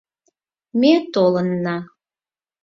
Ме толынна.